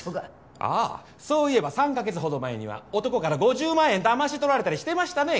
ああそういえば３カ月ほど前には男から５０万円だまし取られたりしてましたねえ